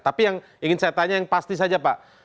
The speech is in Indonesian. tapi yang ingin saya tanya yang pasti saja pak